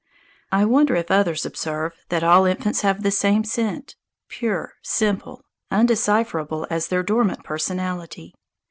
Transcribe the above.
I wonder if others observe that all infants have the same scent pure, simple, undecipherable as their dormant personality.